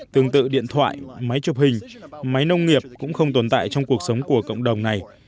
tương tự điện thoại máy chụp hình máy nông nghiệp cũng không tồn tại trong cuộc sống của cộng đồng này